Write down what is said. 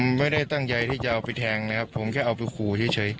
ผมไม่ได้ตั้งใจที่จะเอาไปแทงนะครับผมแค่เอาไปขู่เฉย